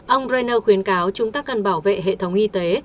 ông briner khuyến cáo chúng ta cần bảo vệ hệ thống y tế